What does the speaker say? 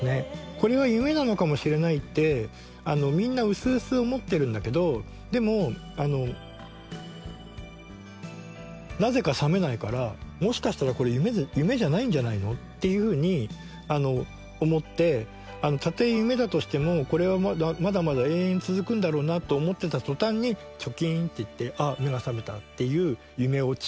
これは夢なのかもしれないってみんなうすうす思ってるんだけどでもなぜか覚めないからもしかしたらこれ夢じゃないんじゃないの？っていうふうに思ってたとえ夢だとしてもこれはまだまだ延々続くんだろうなと思ってた途端にチョキンっていってあ目が覚めたっていう夢オチ。